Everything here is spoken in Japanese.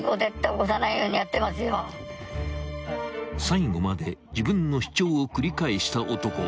［最後まで自分の主張を繰り返した男］